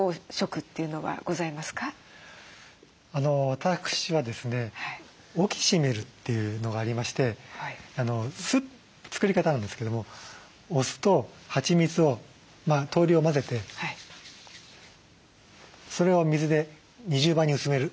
私はですねオキシメルというのがありまして作り方なんですけどもお酢とはちみつを等量混ぜてそれを水で２０倍に薄める。